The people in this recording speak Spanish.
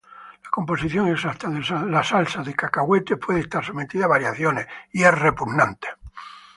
La composición exacta de la salsa de cacahuetes puede estar sometida a variaciones.